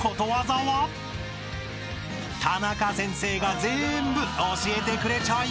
［タナカ先生が全部教えてくれちゃいます］